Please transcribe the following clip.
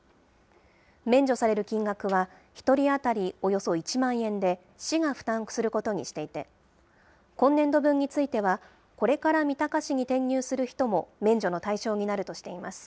免除される金額は１人当たりおよそ１万円で、市が負担することにしていて、今年度分については、これから三鷹市に転入する人も免除の対象になるとしています。